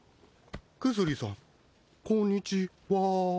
クズリさんこんにちは。